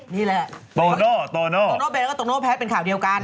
นี่แหละโตโน่โตโน่โตโน่เบแล้วก็โตโน่แพ้เป็นข่าวเดียวกัน